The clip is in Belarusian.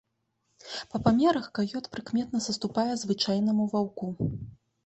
Па памерах каёт прыкметна саступае звычайнаму ваўку.